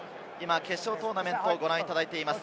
決勝トーナメントをご覧いただいています。